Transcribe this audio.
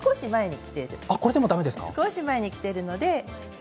いや少し前にきているので。